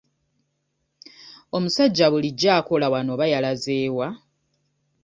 Omusajja bulijjo akola wano oba yalaze wa?